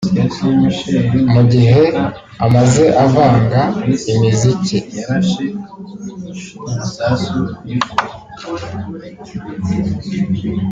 Mu gihe amaze avanga imiziki